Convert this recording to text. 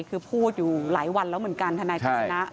คือพูดอยู่หลายวันแล้วเหมือนกันทนายกฤษณะ